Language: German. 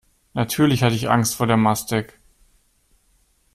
Natürlich hatte ich Angst vor der Mastek.